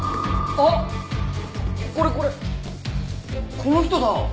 これこれこの人だ！